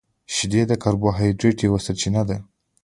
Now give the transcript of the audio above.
• شیدې د کاربوهایډریټ یوه سرچینه ده.